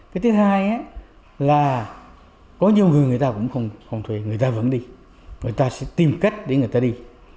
cái thứ hai là có nhiều người người ta cũng không thuê người ta vẫn đi người ta sẽ tìm cách để người ta đi